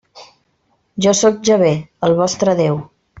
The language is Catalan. Jo sóc Jahvè, el vostre Déu.